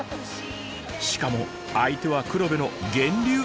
しかも相手は黒部の源流イワナ。